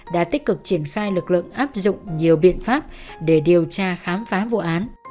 đã tích cực triển khai lực lượng áp dụng nhiều biện pháp để điều tra khám phá vụ án